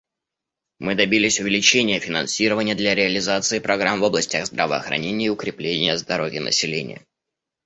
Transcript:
Мы добились увеличения финансирования для реализации программ в областях здравоохранения и укрепления здоровья населения.